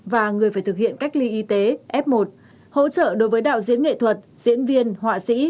và người phải thực hiện cách ly y tế f một hỗ trợ đối với đạo diễn nghệ thuật diễn viên họa sĩ